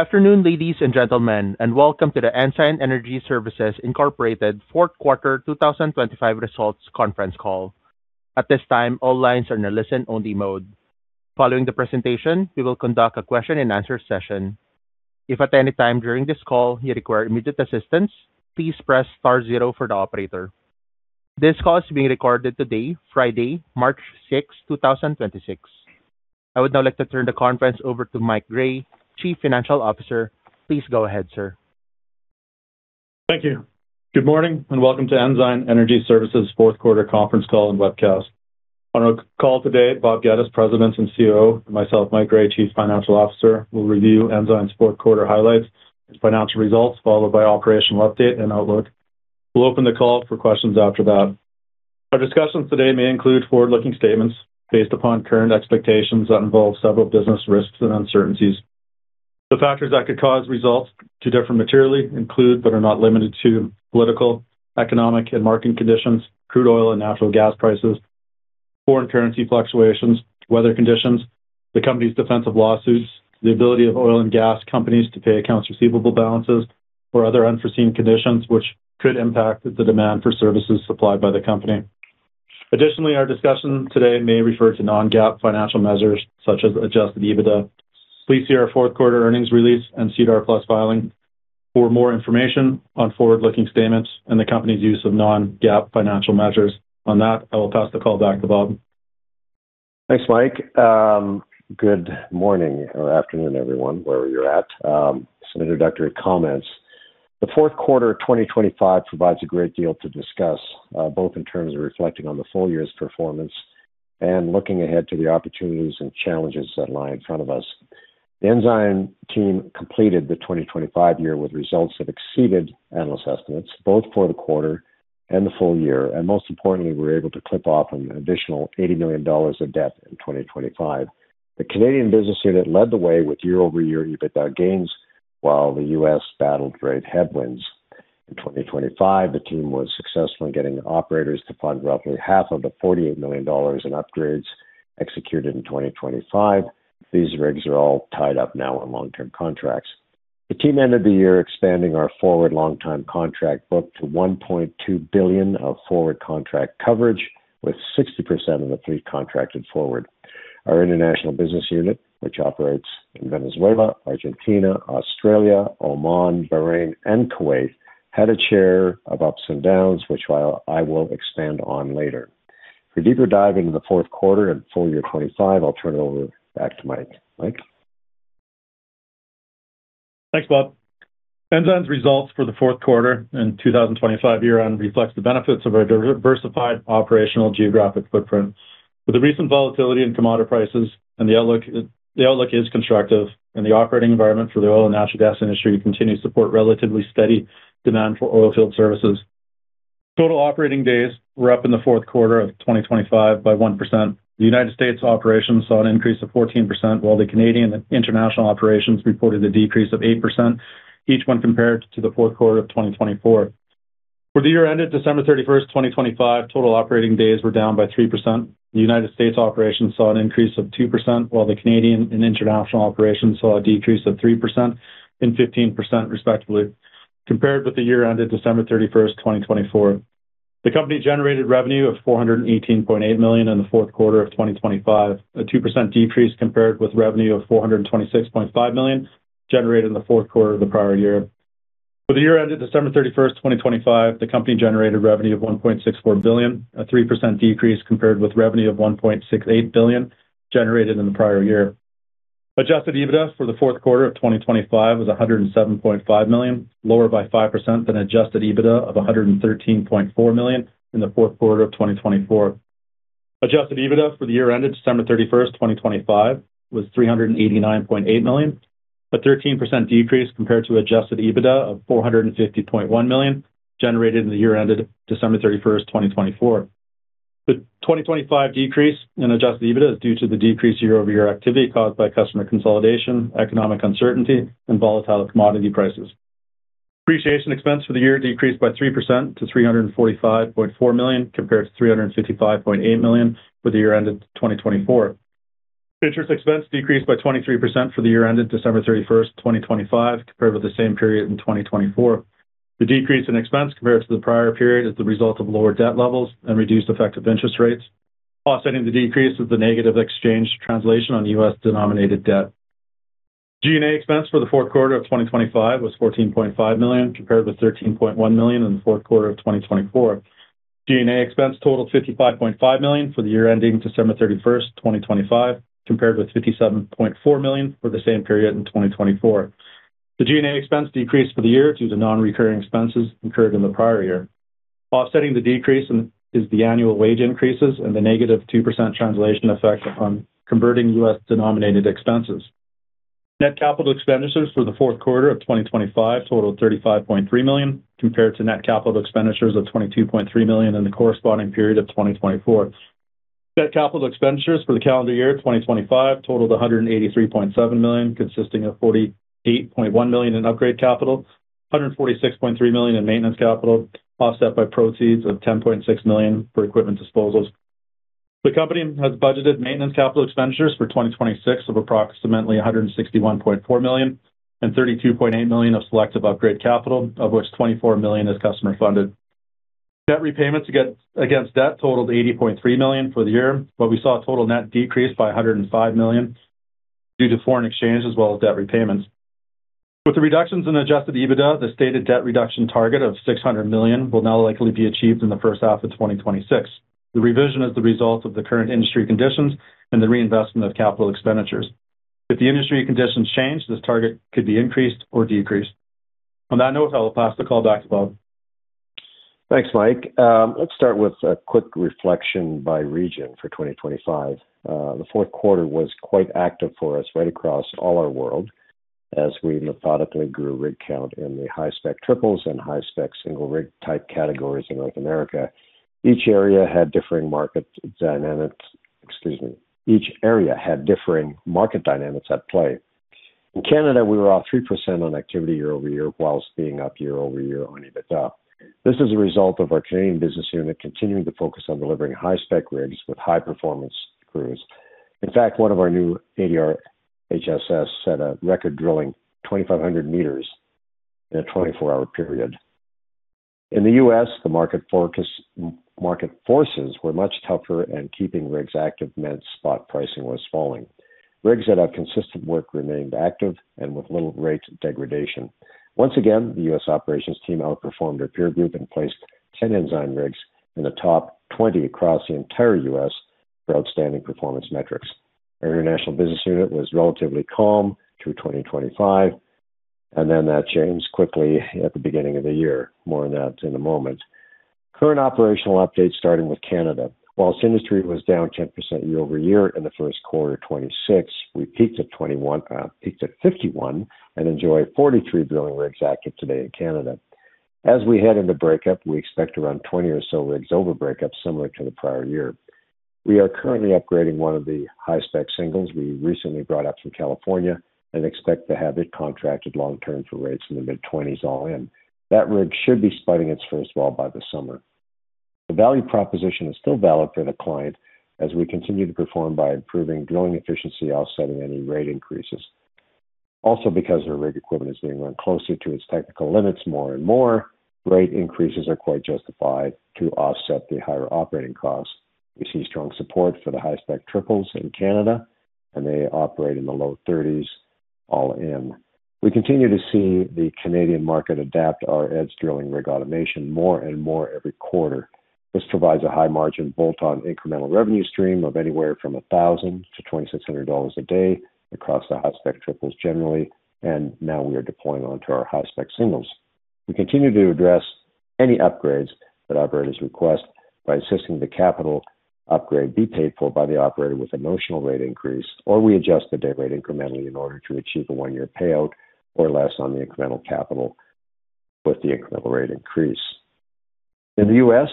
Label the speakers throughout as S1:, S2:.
S1: Afternoon, ladies and gentlemen, and welcome to the Ensign Energy Services Inc. fourth quarter 2025 results conference call. At this time, all lines are in a listen only mode. Following the presentation, we will conduct a question and answer session. If at any time during this call you require immediate assistance, please press star zero for the operator. This call is being recorded today, Friday, March 6, 2026. I would now like to turn the conference over to Mike Gray, Chief Financial Officer. Please go ahead, sir.
S2: Thank you. Good morning and welcome to Ensign Energy Services fourth quarter conference call and webcast. On our call today, Bob Geddes, President and CEO, and myself, Mike Gray, Chief Financial Officer, will review Ensign's fourth quarter highlights, its financial results, followed by operational update and outlook. We'll open the call for questions after that. Our discussions today may include forward-looking statements based upon current expectations that involve several business risks and uncertainties. The factors that could cause results to differ materially include, but are not limited to, political, economic, and market conditions, crude oil and natural gas prices, foreign currency fluctuations, weather conditions, the company's defensive lawsuits, the ability of oil and gas companies to pay accounts receivable balances or other unforeseen conditions which could impact the demand for services supplied by the company. Additionally, our discussion today may refer to non-GAAP financial measures such as Adjusted EBITDA. Please see our fourth quarter earnings release and SEDAR+ filing for more information on forward-looking statements and the company's use of non-GAAP financial measures. On that, I will pass the call back to Bob.
S3: Thanks, Mike. Good morning or afternoon, everyone, wherever you're at. Some introductory comments. The fourth quarter of 2025 provides a great deal to discuss, both in terms of reflecting on the full year's performance and looking ahead to the opportunities and challenges that lie in front of us. The Ensign team completed the 2025 year with results that exceeded analyst estimates, both for the quarter and the full year, and most importantly, we're able to clip off an additional $80 million of debt in 2025. The Canadian business unit led the way with year-over-year EBITDA gains while the U.S. battled great headwinds. In 2025, the team was successful in getting the operators to fund roughly half of the 48 million dollars in upgrades executed in 2025. These rigs are all tied up now on long-term contracts. The team ended the year expanding our forward long-time contract book to 1.2 billion of forward contract coverage, with 60% of the fleet contracted forward. Our international business unit, which operates in Venezuela, Argentina, Australia, Oman, Bahrain, and Kuwait, had a share of ups and downs, which I will expand on later. For a deeper dive into the fourth quarter and full year 2025, I'll turn it over back to Mike. Mike?
S2: Thanks, Bob. Ensign's results for the fourth quarter and 2025 year on reflects the benefits of our diversified operational geographic footprint. With the recent volatility in commodity prices and the outlook, the outlook is constructive, and the operating environment for the oil and natural gas industry continues to support relatively steady demand for oil field services. Total operating days were up in the fourth quarter of 2025 by 1%. The United States operations saw an increase of 14%, while the Canadian international operations reported a decrease of 8%, each one compared to the fourth quarter of 2024. For the year ended December 31st, 2025, total operating days were down by 3%. The United States operations saw an increase of 2%, while the Canadian and international operations saw a decrease of 3% and 15%, respectively, compared with the year ended December 31st, 2024. The company generated revenue of 418.8 million in the fourth quarter of 2025, a 2% decrease compared with revenue of 426.5 million generated in the fourth quarter of the prior year. For the year ended December 31st, 2025, the company generated revenue of 1.64 billion, a 3% decrease compared with revenue of 1.68 billion generated in the prior year. Adjusted EBITDA for the fourth quarter of 2025 was 107.5 million, lower by 5% than Adjusted EBITDA of 113.4 million in the fourth quarter of 2024. Adjusted EBITDA for the year ended December 31st, 2025 was 389.8 million, a 13% decrease compared to Adjusted EBITDA of 450.1 million generated in the year ended December 31st, 2024. The 2025 decrease in Adjusted EBITDA is due to the decrease year-over-year activity caused by customer consolidation, economic uncertainty, and volatile commodity prices. Depreciation expense for the year decreased by 3% to 345.4 million, compared to 355.8 million for the year ended 2024. Interest expense decreased by 23% for the year ended December 31st, 2025, compared with the same period in 2024. The decrease in expense compared to the prior period is the result of lower debt levels and reduced effective interest rates. Offsetting the decrease is the negative exchange translation on U.S. denominated debt. G&A expense for the fourth quarter of 2025 was 14.5 million, compared with 13.1 million in the fourth quarter of 2024. G&A expense totaled 55.5 million for the year ending December 31st, 2025, compared with 57.4 million for the same period in 2024. The G&A expense decreased for the year due to non-recurring expenses incurred in the prior year. Offsetting the decrease in is the annual wage increases and the negative 2% translation effect upon converting U.S. denominated expenses. Net capital expenditures for the fourth quarter of 2025 totaled 35.3 million, compared to net capital expenditures of 22.3 million in the corresponding period of 2024. Net capital expenditures for the calendar year 2025 totaled 183.7 million, consisting of 48.1 million in upgrade capital, 146.3 million in maintenance capital, offset by proceeds of 10.6 million for equipment disposals. The company has budgeted maintenance capital expenditures for 2026 of approximately 161.4 million and 32.8 million of selective upgrade capital, of which 24 million is customer funded. Debt repayments against debt totaled 80.3 million for the year, we saw a total net decrease by 105 million due to foreign exchange as well as debt repayments. With the reductions in Adjusted EBITDA, the stated debt reduction target of 600 million will now likely be achieved in the first half of 2026. The revision is the result of the current industry conditions and the reinvestment of capital expenditures. If the industry conditions change, this target could be increased or decreased. On that note, I'll pass the call back to Bob Geddes.
S3: Thanks, Mike. Let's start with a quick reflection by region for 2025. The fourth quarter was quite active for us right across all our world as we methodically grew rig count in the high-spec triples and high-spec single rig type categories in North America. Each area had differing market dynamics at play. In Canada, we were off 3% on activity year-over-year whilst being up year-over-year on EBITDA. This is a result of our Canadian business unit continuing to focus on delivering high-spec rigs with high performance crews. In fact, one of our new ADR HSS set a record drilling 2,500 m in a 24-hour period. In the U.S., the market forces were much tougher, keeping rigs active meant spot pricing was falling. Rigs that have consistent work remained active and with little rate degradation. Once again, the U.S. operations team outperformed their peer group and placed 10 Ensign rigs in the top 20 across the entire U.S. for outstanding performance metrics. Our international business unit was relatively calm through 2025, and then that changed quickly at the beginning of the year. More on that in a moment. Current operational updates starting with Canada. Whilst industry was down 10% year-over-year in the first quarter of 2026, we peaked at 51 and enjoy 43 drilling rigs active today in Canada. As we head into breakup, we expect around 20 or so rigs over breakup, similar to the prior year. We are currently upgrading one of the high-spec singles we recently brought up from California and expect to have it contracted long term for rates in the mid 20s all in. That rig should be spudding its first well by the summer. The value proposition is still valid for the client as we continue to perform by improving drilling efficiency, offsetting any rate increases. Because our rig equipment is being run closer to its technical limits more and more, rate increases are quite justified to offset the higher operating costs. We see strong support for the high-spec triples in Canada, they operate in the low 30s all in. We continue to see the Canadian market adapt our EDGE drilling rig automation more and more every quarter. This provides a high margin bolt-on incremental revenue stream of anywhere from $1,000-$2,600 a day across the high-spec triples generally, and now we are deploying onto our high-spec singles. We continue to address any upgrades that operators request by assisting the capital upgrade be paid for by the operator with a notional rate increase, or we adjust the day rate incrementally in order to achieve a one-year payout or less on the incremental capital with the incremental rate increase. In the U.S.,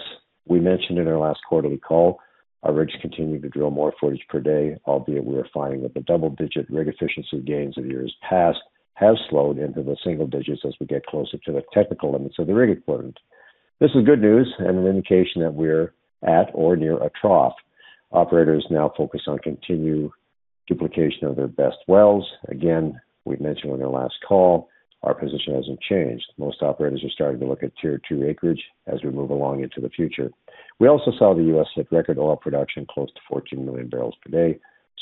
S3: we mentioned in our last quarterly call, our rigs continued to drill more footage per day, albeit we are finding that the double-digit rig efficiency gains of years past have slowed into the single digits as we get closer to the technical limits of the rig equipment. This is good news and an indication that we're at or near a trough. Operators now focus on continued duplication of their best wells. Again, we mentioned on our last call, our position hasn't changed. Most operators are starting to look at tier two acreage as we move along into the future. We also saw the U.S. hit record oil production close to 14 million barrels per day.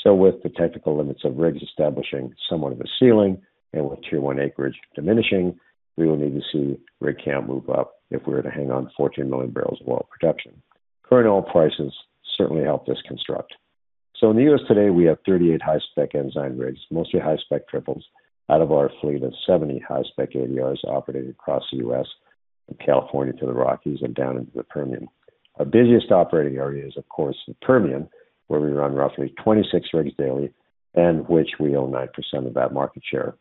S3: With the technical limits of rigs establishing somewhat of a ceiling and with tier one acreage diminishing, we will need to see rig count move up if we're to hang on to 14 million barrels of oil production. Current oil prices certainly help this construct. In the U.S. today, we have 38 high-spec Ensign rigs, mostly high-spec triples, out of our fleet of 70 high-spec ADRs operating across the U.S. from California to the Rockies and down into the Permian. Our busiest operating area is, of course, the Permian, where we run roughly 26 rigs daily and which we own 9% of that market share.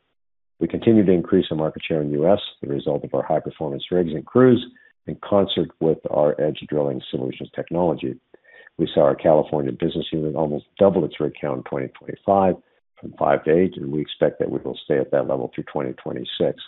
S3: We continue to increase our market share in the U.S., the result of our high performance rigs and crews in concert with our Edge Drilling Solutions technology. We saw our California business unit almost double its rig count in 2025 from five to eight, and we expect that we will stay at that level through 2026.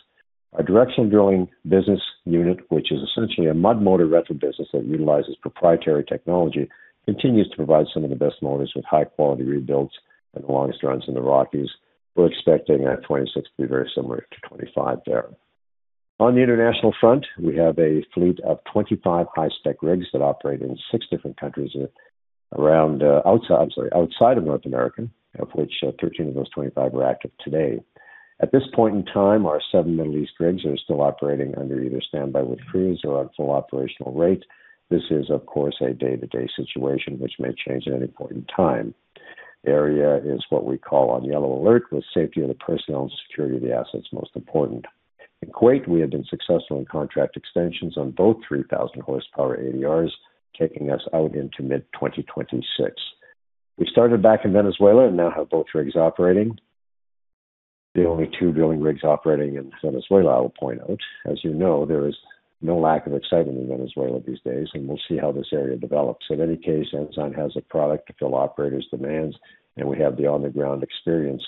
S3: Our directional drilling business unit, which is essentially a mud motor rental business that utilizes proprietary technology, continues to provide some of the best motors with high quality rebuilds and the longest runs in the Rockies. We're expecting 2026 to be very similar to 2025 there. On the international front, we have a fleet of 25 high-spec rigs that operate in six different countries outside of North America, of which 13 of those 25 are active today. At this point in time, our seven Middle East rigs are still operating under either standby with crews or at full operational rate. This is, of course, a day-to-day situation which may change at any point in time. Area is what we call on yellow alert, with safety of the personnel and security of the assets most important. In Kuwait, we have been successful in contract extensions on both 3,000 horsepower ADRs, taking us out into mid-2026. We started back in Venezuela and now have both rigs operating. The only two drilling rigs operating in Venezuela, I will point out. As you know, there is no lack of excitement in Venezuela these days, and we'll see how this area develops. In any case, Ensign has a product to fill operators' demands, and we have the on-the-ground experience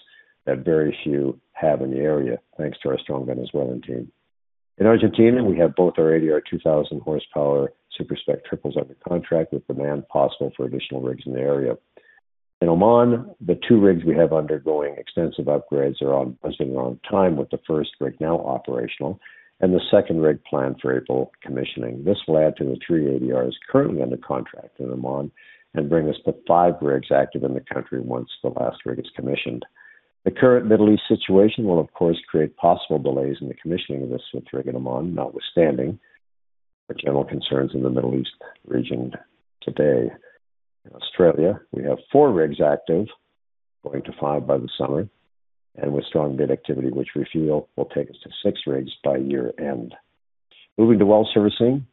S3: that very few have in the area, thanks to our strong Venezuelan team. In Argentina, we have both our ADR 2,000 horsepower super spec triples under contract with demand possible for additional rigs in the area. In Oman, the two rigs we have undergoing extensive upgrades are busting on time with the first rig now operational and the second rig planned for April commissioning. This will add to the three ADRs currently under contract in Oman and bring us to five rigs active in the country once the last rig is commissioned. The current Middle East situation will of course create possible delays in the commissioning of this fifth rig in Oman, notwithstanding the general concerns in the Middle East region today. In Australia, we have four rigs active, going to five by the summer. With strong bid activity, which we feel will take us to six rigs by year-end. Moving to well servicing,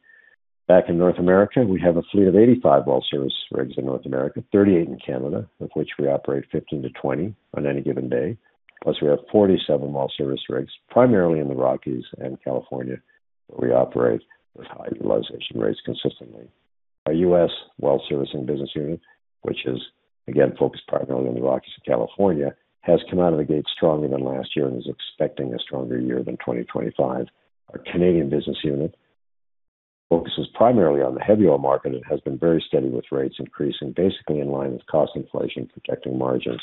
S3: back in North America, we have a fleet of 85 well service rigs in North America, 38 in Canada, of which we operate 15 to 20 on any given day. Plus, we have 47 well service rigs, primarily in the Rockies and California, where we operate with high utilization rates consistently. Our U.S. well servicing business unit, which is again focused primarily on the Rockies and California, has come out of the gate stronger than last year and is expecting a stronger year than 2025. Our Canadian business unit focuses primarily on the heavy oil market and has been very steady with rates increasing basically in line with cost inflation, protecting margins.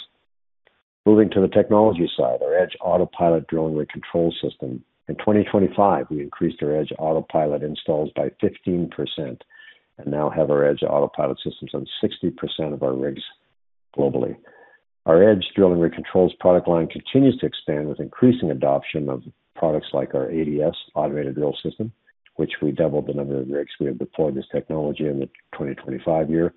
S3: Moving to the technology side, our EDGE AUTOPILOT drilling rig control system. In 2025, we increased our EDGE AUTOPILOT installs by 15% and now have our EDGE AUTOPILOT systems on 60% of our rigs globally. Our EDGE drilling rig controls product line continues to expand with increasing adoption of products like our ADS, Automated Drilling System, which we doubled the number of rigs we have deployed this technology in the 2025 year.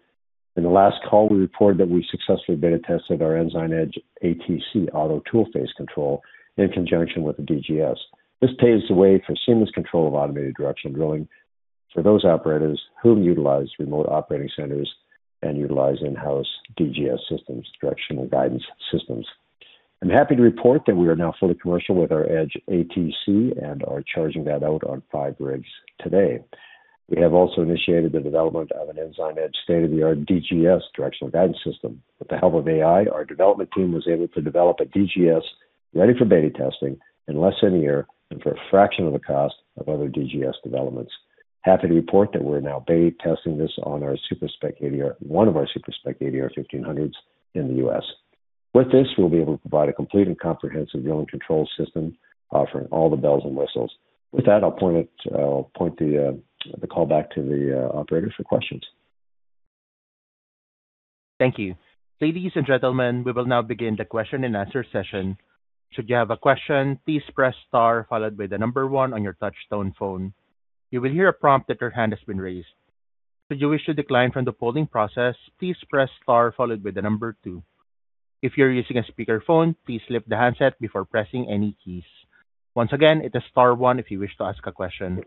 S3: In the last call, we reported that we successfully beta tested our Ensign EDGE ATC, auto toolface control, in conjunction with the DGS. This paves the way for seamless control of automated directional drilling for those operators who utilize remote operating centers and utilize in-house DGS systems, directional guidance systems. I'm happy to report that we are now fully commercial with our Edge ATC and are charging that out on five rigs today. We have also initiated the development of an Ensign EDGE state-of-the-art DGS, directional guidance system. With the help of AI, our development team was able to develop a DGS ready for beta testing in less than a year and for a fraction of the cost of other DGS developments. Happy to report that we're now beta testing this on one of our super spec ADR 1500s in the U.S. With this, we'll be able to provide a complete and comprehensive drilling control system offering all the bells and whistles. With that, I'll point the call back to the operator for questions.
S1: Thank you. Ladies and gentlemen, we will now begin the question and answer session. Should you have a question, please press star followed by the number one on your touchtone phone. You will hear a prompt that your hand has been raised. Should you wish to decline from the polling process, please press star followed by the number two. If you're using a speakerphone, please lift the handset before pressing any keys. Once again, it is star one if you wish to ask a question.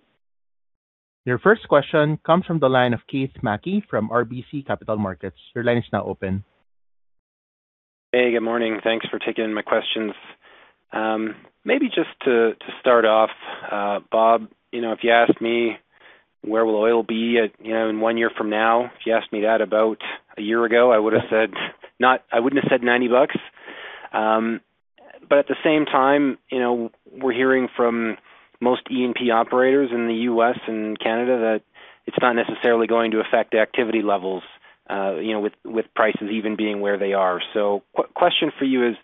S1: Your first question comes from the line of Keith Mackey from RBC Capital Markets. Your line is now open.
S4: Hey, good morning. Thanks for taking my questions. Maybe just to start off, Bob, you know, if you asked me where will oil be at, you know, in one year from now, if you asked me that about a year ago, I would have said I wouldn't have said $90. But at the same time, you know, we're hearing from most E&P operators in the U.S. and Canada that it's not necessarily going to affect the activity levels, you know, with prices even being where they are. Question for you is,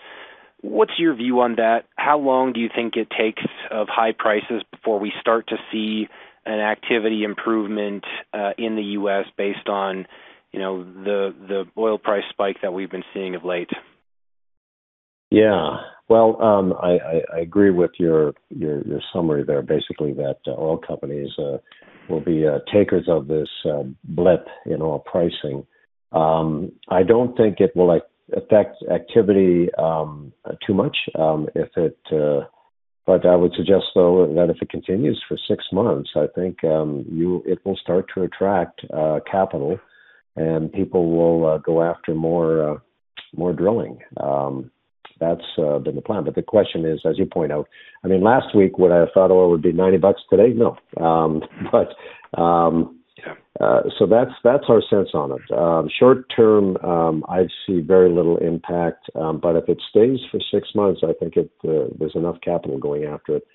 S4: what's your view on that? How long do you think it takes of high prices before we start to see an activity improvement, in the U.S. based on, you know, the oil price spike that we've been seeing of late?
S3: Yeah. Well, I agree with your summary there, basically that oil companies will be takers of this blip in oil pricing. I don't think it will, like, affect activity too much. I would suggest, though, that if it continues for six months, I think, it will start to attract capital, and people will go after more drilling. That's been the plan. The question is, as you point out, I mean, last week, would I have thought oil would be $90 today? No. But-
S4: Yeah.
S3: That's our sense on it. Short-term, I see very little impact. If it stays for six months, I think it, there's enough capital going after it,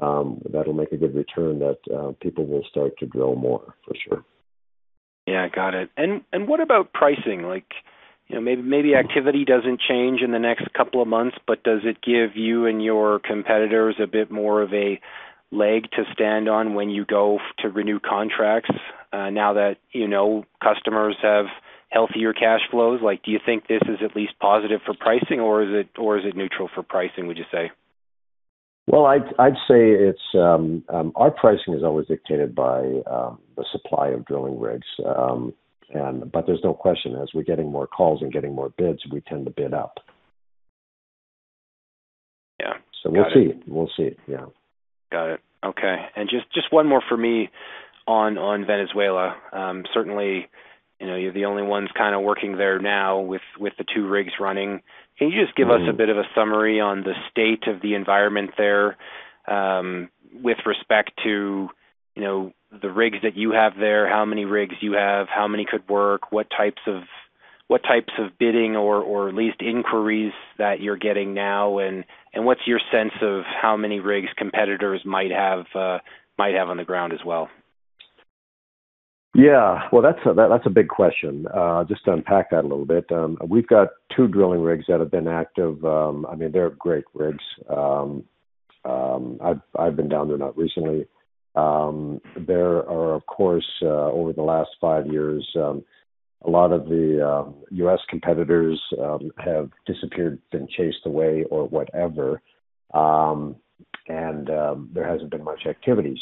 S3: that'll make a good return that, people will start to drill more, for sure.
S4: Yeah. Got it. What about pricing? Like, you know, maybe activity doesn't change in the next couple of months, but does it give you and your competitors a bit more of a leg to stand on when you go to renew contracts, now that, you know, customers have healthier cash flows? Like, do you think this is at least positive for pricing, or is it neutral for pricing, would you say?
S3: Our pricing is always dictated by the supply of drilling rigs. There's no question, as we're getting more calls and getting more bids, we tend to bid up.
S4: Yeah. Got it.
S3: We'll see. We'll see. Yeah.
S4: Got it. Okay. Just one more for me on Venezuela. Certainly, you know, you're the only ones kinda working there now with the two rigs running.
S3: Mm-hmm.
S4: Can you just give us a bit of a summary on the state of the environment there, with respect to, you know, the rigs that you have there, how many rigs you have, how many could work, what types of bidding or at least inquiries that you're getting now? And what's your sense of how many rigs competitors might have, might have on the ground as well?
S3: Yeah. Well, that's a big question. Just to unpack that a little bit. We've got two drilling rigs that have been active. I mean, they're great rigs. I've been down there not recently. There are, of course, over the last five years, a lot of the U.S. competitors have disappeared, been chased away or whatever. There hasn't been much activity.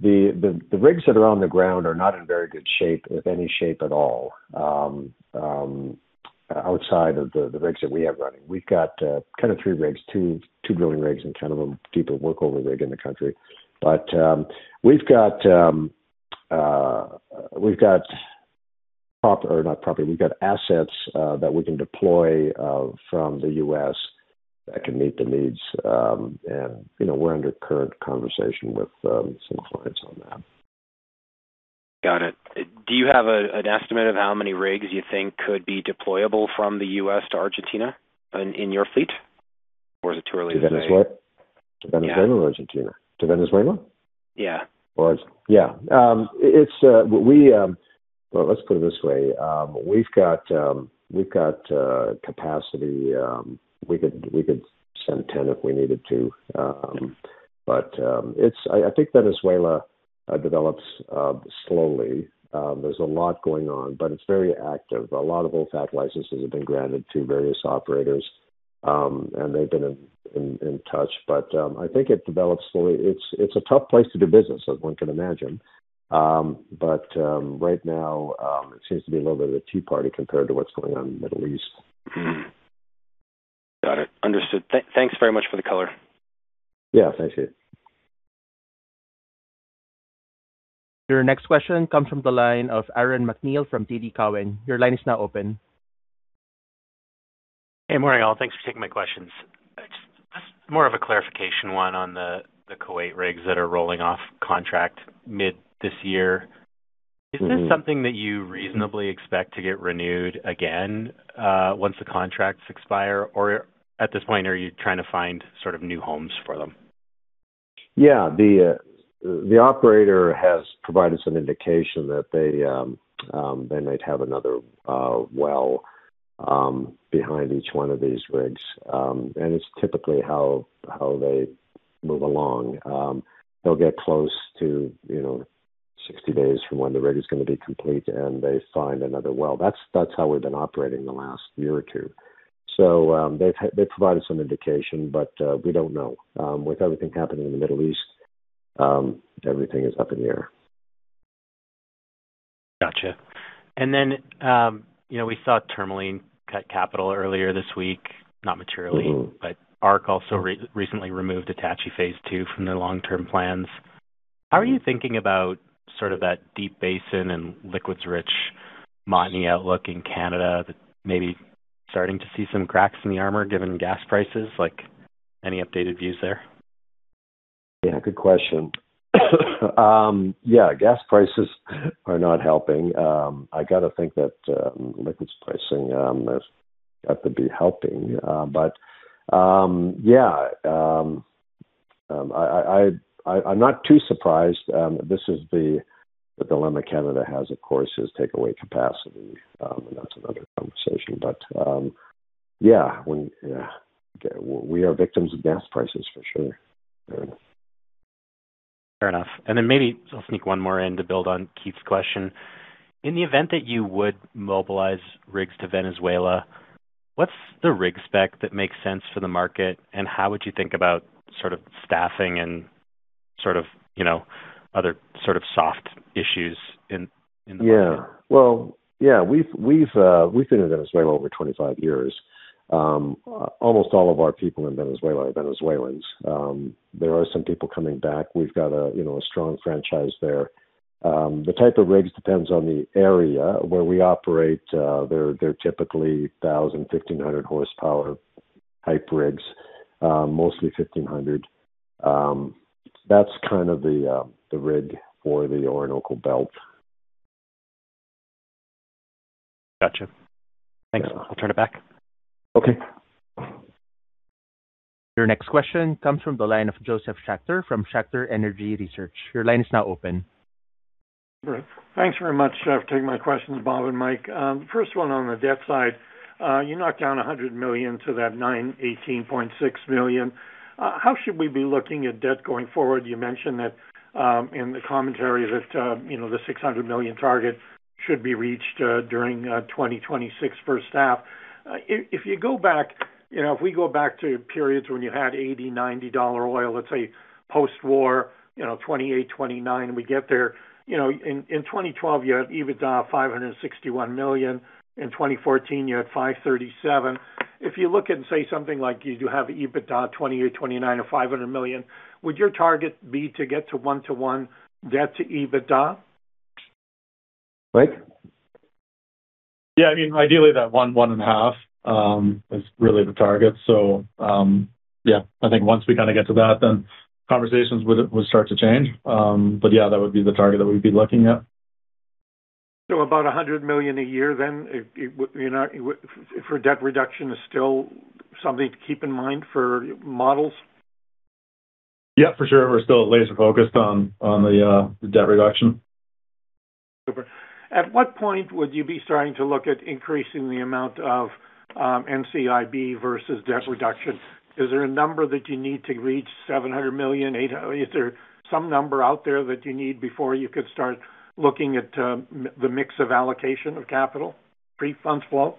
S3: The rigs that are on the ground are not in very good shape, if any shape at all, outside of the rigs that we have running. We've got kind of three rigs, two drilling rigs and kind of a deeper workover rig in the country. We've got assets that we can deploy from the U.S. that can meet the needs. You know, we're under current conversation with some clients on that.
S4: Got it. Do you have an estimate of how many rigs you think could be deployable from the U.S. to Argentina in your fleet? Or is it too early to say?
S3: To Venezuela?
S4: Yeah.
S3: To Venezuela or Argentina? To Venezuela?
S4: Yeah.
S3: Yeah. Let's put it this way. We've got capacity, we could send 10 if we needed to. I think Venezuela develops slowly. There's a lot going on, but it's very active. A lot of OFAC licenses have been granted to various operators, they've been in touch. I think it develops slowly. It's a tough place to do business as one can imagine. Right now, it seems to be a little bit of a tea party compared to what's going on in the Middle East.
S4: Mm-hmm. Got it. Understood. Thanks very much for the color.
S3: Yeah. Thank you.
S1: Your next question comes from the line of Aaron MacNeil from TD Cowen. Your line is now open.
S5: Hey, morning, all. Thanks for taking my questions. Just more of a clarification, one on the Kuwait rigs that are rolling off contract mid this year.
S3: Mm-hmm.
S5: Is this something that you reasonably expect to get renewed again, once the contracts expire? Or at this point, are you trying to find sort of new homes for them?
S3: The operator has provided some indication that they might have another well behind each one of these rigs. It's typically how they move along. They'll get close to, you know, 60 days from when the rig is gonna be complete, and they find another well. That's how we've been operating the last year or two. They provided some indication, but we don't know. With everything happening in the Middle East, everything is up in the air.
S5: Gotcha. You know, we saw Tourmaline cut capital earlier this week, not materially.
S3: Mm-hmm.
S5: ARC also recently removed Attachie phase II from their long-term plans. How are you thinking about sort of that Deep Basin and liquids rich Montney outlook in Canada that may be starting to see some cracks in the armor given gas prices? Like, any updated views there?
S3: Yeah, gas prices are not helping. I got to think that liquids pricing has got to be helping. But, yeah. I'm not too surprised. This is the dilemma Canada has, of course, is takeaway capacity. That's another conversation. But, yeah, we are victims of gas prices for sure. Yeah
S5: Fair enough. Maybe I'll sneak one more in to build on Keith's question. In the event that you would mobilize rigs to Venezuela, what's the rig spec that makes sense for the market? How would you think about sort of staffing and sort of, you know, other sort of soft issues in the market?
S3: Well, yeah, we've been in Venezuela over 25 years. Almost all of our people in Venezuela are Venezuelans. There are some people coming back. We've got a, you know, a strong franchise there. The type of rigs depends on the area where we operate. They're typically 1,000, 1,500 horsepower type rigs, mostly 1,500. That's kind of the rig for the Orinoco Belt.
S5: Gotcha. Thanks. I'll turn it back.
S3: Okay.
S1: Your next question comes from the line of Josef Schachter from Schachter Energy Research. Your line is now open.
S6: Great. Thanks very much for taking my questions, Bob and Mike. First one on the debt side. You knocked down $100 million to that $918.6 million. How should we be looking at debt going forward? You mentioned that, in the commentary that, you know, the $600 million target should be reached during 2026 first half. If you go back, if we go back to periods when you had $80, $90 oil, let's say post-war, 2008, 2009, we get there, in 2012, you had EBITDA $561 million. In 2014, you had $537 million. If you look at and say something like you do have EBITDA 20 or 29 or $500 million, would your target be to get to 1-to-1 debt to EBITDA?
S3: Mike?
S2: Yeah. I mean, ideally that one and a half is really the target. Yeah, I think once we kinda get to that, then conversations would start to change. Yeah, that would be the target that we'd be looking at.
S6: About $100 million a year then if for debt reduction is still something to keep in mind for models?
S2: Yeah, for sure. We're still laser-focused on the debt reduction.
S6: Super. At what point would you be starting to look at increasing the amount of NCIB versus debt reduction? Is there a number that you need to reach, 700 million, 800 million? Is there some number out there that you need before you could start looking at the mix of allocation of capital pre funds flow?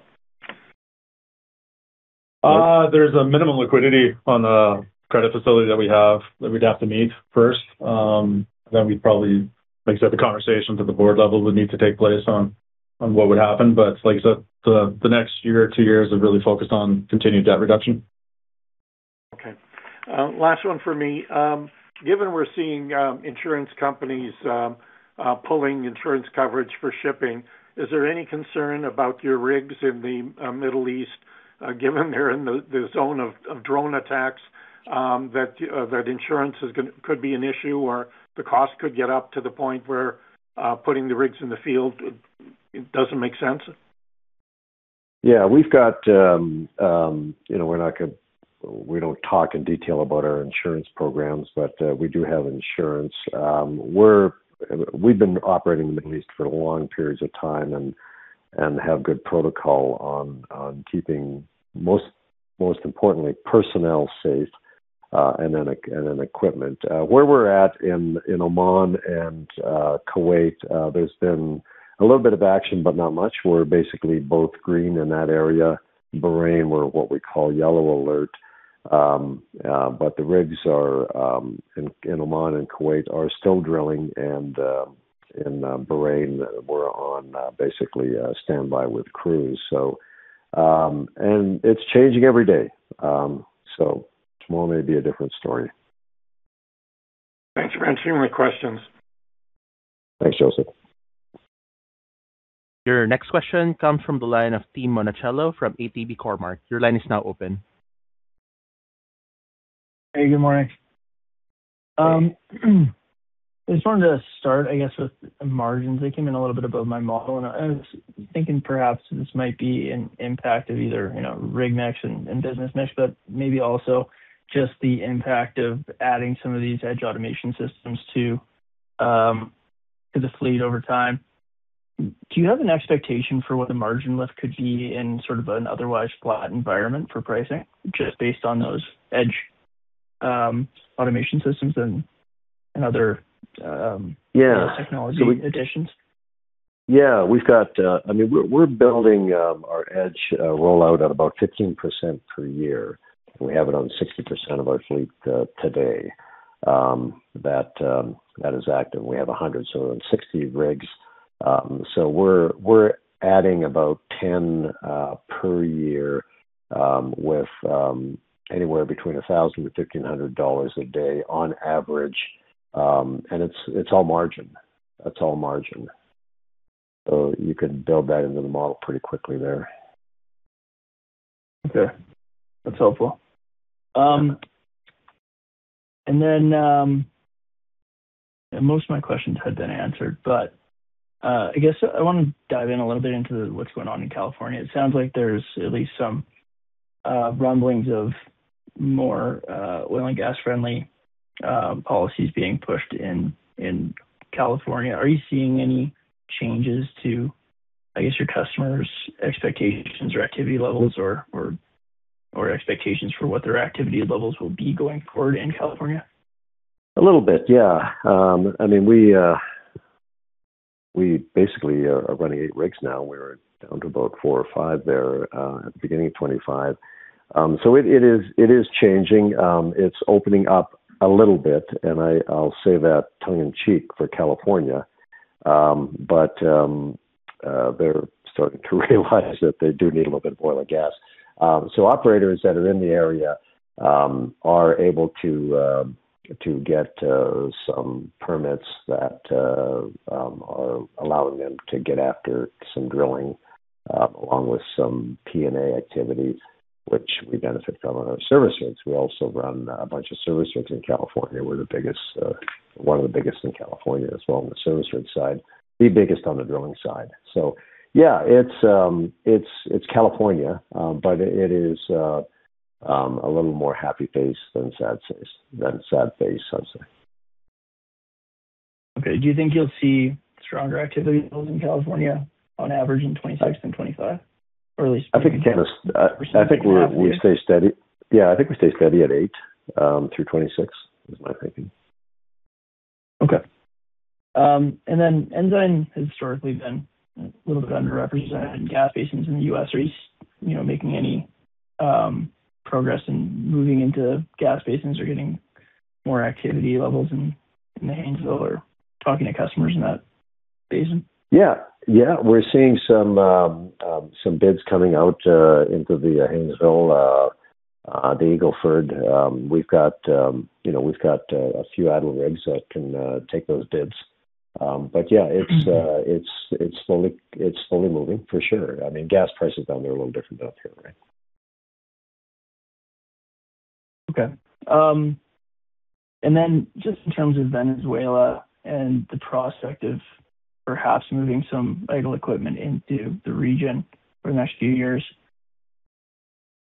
S2: There's a minimum liquidity on the credit facility that we have, that we'd have to meet first. We'd probably. Like I said, the conversations at the board level would need to take place on what would happen. Like you said, the next year or two years is really focused on continued debt reduction.
S6: Last one for me. Given we're seeing insurance companies pulling insurance coverage for shipping, is there any concern about your rigs in the Middle East, given they're in the zone of drone attacks, that insurance could be an issue or the cost could get up to the point where putting the rigs in the field it doesn't make sense?
S3: Yeah. We've got, you know, we don't talk in detail about our insurance programs, but we do have insurance. We've been operating in the Middle East for long periods of time and have good protocol on keeping most importantly personnel safe and then equipment. Where we're at in Oman and Kuwait, there's been a little bit of action, but not much. We're basically both green in that area. Bahrain, we're what we call yellow alert. The rigs are in Oman and Kuwait are still drilling and in Bahrain we're on basically standby with crews. It's changing every day. Tomorrow may be a different story.
S6: Thanks for answering my questions.
S3: Thanks, Josef.
S1: Your next question comes from the line of Tim Monachello from ATB Capital Markets. Your line is now open.
S7: Hey, good morning. I just wanted to start, I guess, with margins. They came in a little bit above my model. I was thinking perhaps this might be an impact of either, you know, rig mix and business mix, maybe also just the impact of adding some of these EDGE automation systems to the fleet over time. Do you have an expectation for what the margin lift could be in sort of an otherwise flat environment for pricing, just based on those EDGE automation systems?
S3: Yeah...
S7: technology additions?
S3: Yeah. We've got... I mean, we're building our EDGE rollout at about 15% per year. We have it on 60% of our fleet today, that is active. We have 160 rigs. We're adding about 10 per year, with anywhere between 1,000-1,500 dollars a day on average. And it's all margin. That's all margin. You can build that into the model pretty quickly there.
S7: Okay. That's helpful. Then, most of my questions have been answered. I guess I wanna dive in a little bit into what's going on in California. It sounds like there's at least some rumblings of more oil and gas-friendly policies being pushed in California. Are you seeing any changes to, I guess, your customers' expectations or activity levels or expectations for what their activity levels will be going forward in California?
S3: A little bit, yeah. I mean, we basically are running eight rigs now. We were down to about four or five there at the beginning of 2025. It is changing. It's opening up a little bit, and I'll say that tongue in cheek for California. They're starting to realize that they do need a little bit of oil and gas. Operators that are in the area are able to get some permits that are allowing them to get after some drilling along with some P&A activity, which we benefit from on our service rigs. We also run a bunch of service rigs in California. We're the biggest, one of the biggest in California as well on the service rig side, the biggest on the drilling side. Yeah, it's California, but it is a little more happy face than sad face, I'd say.
S7: Okay. Do you think you'll see stronger activity levels in California on average in 2026 than 2025? Or at least.
S3: I think it can... I think we stay steady. Yeah. I think we stay steady at eight, through 2026, is my thinking.
S7: Ensign has historically been a little bit underrepresented in gas basins in the U.S. Are you know, making any progress in moving into gas basins or getting more activity levels in the Haynesville or talking to customers in that basin?
S3: Yeah. Yeah. We're seeing some bids coming out into the Haynesville, the Eagle Ford. We've got, you know, we've got a few idle rigs that can take those bids. Yeah, it's slowly moving, for sure. I mean, gas prices down there are a little different than up here, right?
S7: Okay. Just in terms of Venezuela and the prospect of perhaps moving some idle equipment into the region for the next few years,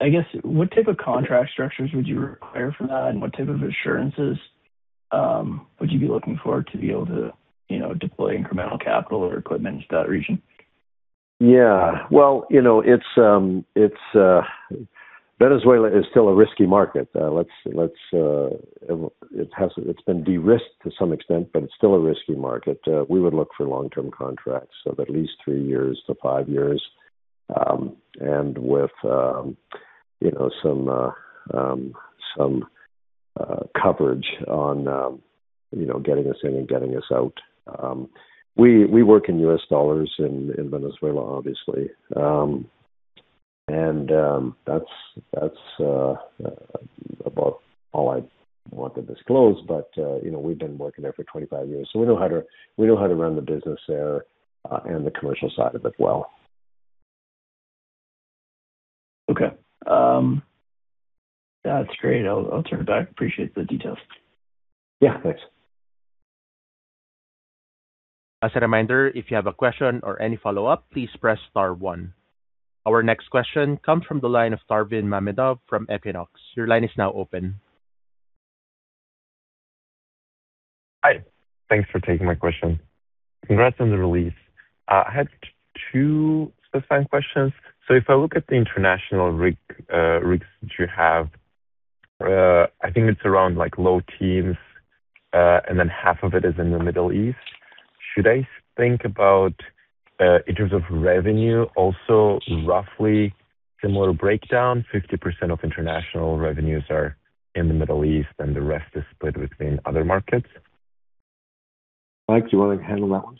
S7: I guess what type of contract structures would you require for that? What type of assurances, would you be looking for to be able to, you know, deploy incremental capital or equipment into that region?
S3: Well, you know, Venezuela is still a risky market. It's been de-risked to some extent, but it's still a risky market. We would look for long-term contracts of at least three years to five years, and with, you know, some coverage on, you know, getting us in and getting us out. We work in U.S. dollars in Venezuela, obviously. That's about all I want to disclose, but, you know, we've been working there for 25 years, so we know how to run the business there, and the commercial side of it well.
S7: Okay. That's great. I'll turn it back. Appreciate the details.
S3: Yeah, thanks.
S1: As a reminder, if you have a question or any follow-up, please press star one. Our next question comes from the line of Parvin Mamedov from Equinox. Your line is now open.
S8: Hi. Thanks for taking my question. Congrats on the release. I had two specific questions. If I look at the international rig, rigs that you have, I think it's around like low teens, and then half of it is in the Middle East. Should I think about, in terms of revenue, also roughly similar breakdown, 50% of international revenues are in the Middle East and the rest is split between other markets?
S3: Mike, do you wanna handle that one?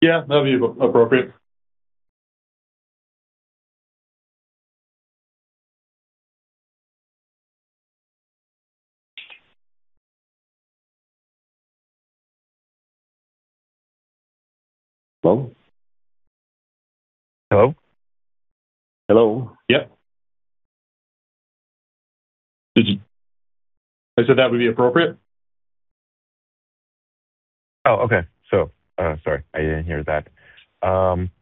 S2: Yeah, that'd be appropriate.
S3: Hello?
S8: Hello?
S3: Hello.
S2: Yeah. I said that would be appropriate.
S8: Oh, okay. sorry, I didn't hear that.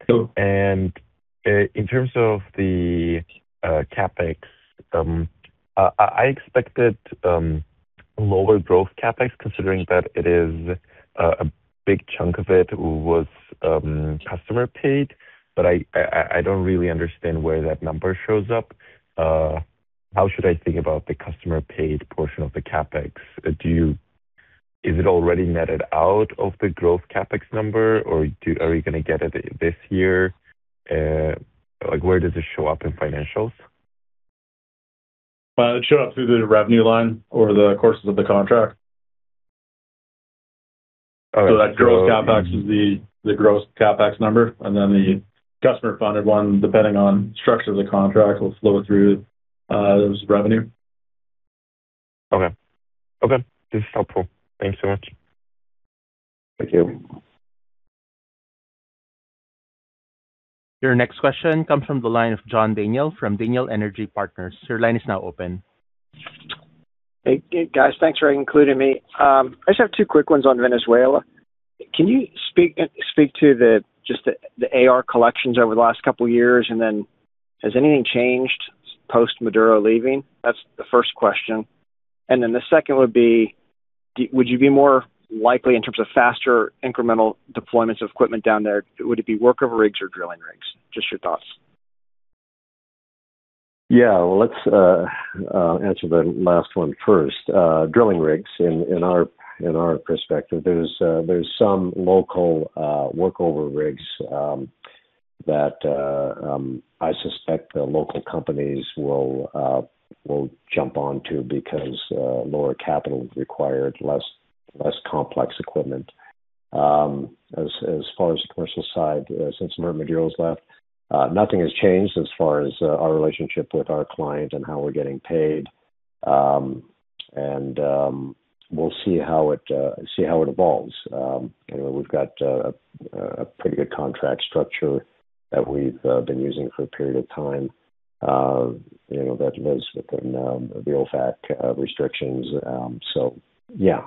S2: Sure.
S8: In terms of the CapEx, I expected lower growth CapEx considering that it is a big chunk of it was customer-paid, I don't really understand where that number shows up. How should I think about the customer-paid portion of the CapEx? Is it already netted out of the growth CapEx number, or are we gonna get it this year, like, where does it show up in financials?
S2: It shows up through the revenue line or the courses of the contract.
S8: All right.
S2: That growth CapEx is the gross CapEx number, and then the customer-funded one, depending on structure of the contract, will flow through as revenue.
S8: Okay. Okay, this is helpful. Thank you so much.
S2: Thank you.
S1: Your next question comes from the line of John Daniel from Daniel Energy Partners. Your line is now open.
S9: Hey, hey guys. Thanks for including me. I just have two quick ones on Venezuela. Can you speak to the just the AR collections over the last couple years, and then has anything changed post Maduro leaving? That's the first question. The second would be, would you be more likely in terms of faster incremental deployments of equipment down there? Would it be workover rigs or drilling rigs? Just your thoughts.
S3: Let's answer the last one first. Drilling rigs in our perspective, there's some local workover rigs that I suspect the local companies will jump on to because lower capital required, less complex equipment. As far as the commercial side, since Maduro's left, nothing has changed as far as our relationship with our client and how we're getting paid. We'll see how it evolves. You know, we've got a pretty good contract structure that we've been using for a period of time, you know, that lives within the OFAC restrictions. Yeah.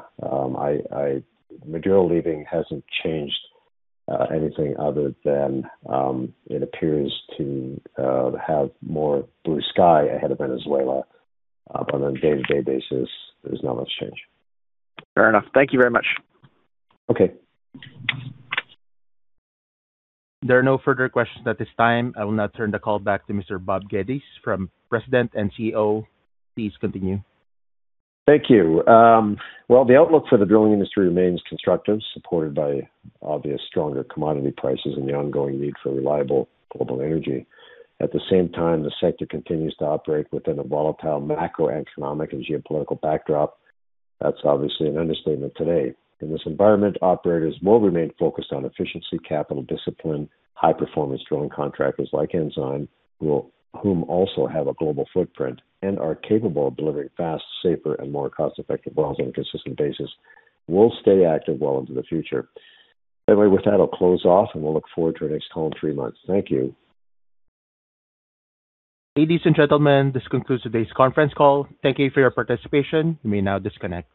S3: Maduro leaving hasn't changed anything other than it appears to have more blue sky ahead of Venezuela. On a day-to-day basis, there's not much change.
S9: Fair enough. Thank you very much.
S3: Okay.
S1: There are no further questions at this time. I will now turn the call back to Mr. Bob Geddes from President and CEO. Please continue.
S3: Thank you. Well, the outlook for the drilling industry remains constructive, supported by obvious stronger commodity prices and the ongoing need for reliable global energy. At the same time, the sector continues to operate within a volatile macroeconomic and geopolitical backdrop. That's obviously an understatement today. In this environment, operators will remain focused on efficiency, capital discipline, high-performance drilling contractors like Ensign, whom also have a global footprint and are capable of delivering fast, safer, and more cost-effective wells on a consistent basis, will stay active well into the future. Anyway, with that, I'll close off, and we'll look forward to our next call in three months. Thank you.
S1: Ladies and gentlemen, this concludes today's conference call. Thank you for your participation. You may now disconnect.